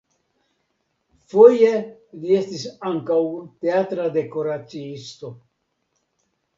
Foje li estis ankaŭ teatra dekoraciisto.